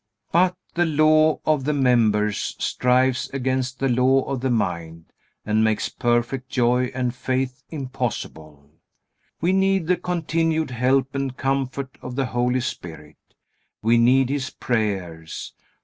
But the law of the members strives against the law of the mind, and makes perfect joy and faith impossible. We need the continued help and comfort of the Holy Spirit. We need His prayers.